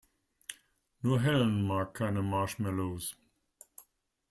Nur Helen mag keine Marshmallows.